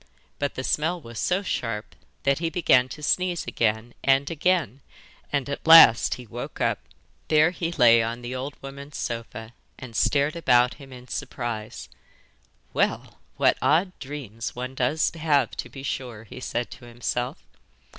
But the smell was so sharp that he began to sneeze again and again, and at last he woke up! There he lay on the old woman's sofa and stared about him in surprise. 'Well, what odd dreams one does have to be sure!' he said to himself.